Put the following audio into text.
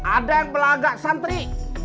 ada yang belaga santri